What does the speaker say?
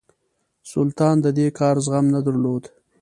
سلطان د دې کار زغم نه درلود.